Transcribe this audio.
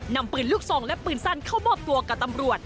นำปืนลูกทรงและปืนสั้นเข้ามอบตัวกับตำรวจ